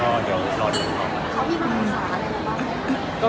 ก็เดี๋ยวรอเดี๋ยวกันก่อน